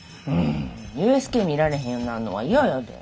ＵＳＫ見られへんようになんのは嫌やで。